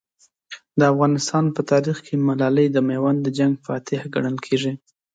د افغانستان په تاریخ کې ملالۍ د میوند د جنګ فاتحه ګڼل کېږي.